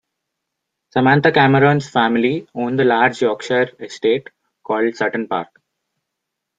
Samantha Cameron's family own the large Yorkshire estate called Sutton Park.